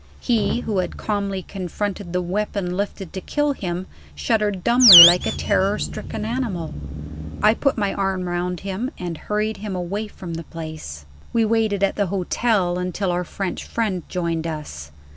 He who had calmly confronted the weapon lifted to kill him, shuddered dumbly like a terror stricken animal. I put my arm round him, and hurried him away from the place. We waited at the hotel until our French friend joined us.